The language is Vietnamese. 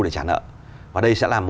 để trả nợ và đây sẽ là